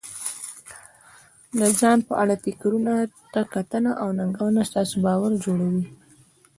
د ځان په اړه فکرونو ته کتنه او ننګونه ستاسې باور جوړوي.